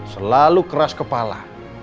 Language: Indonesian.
selalu keras kepala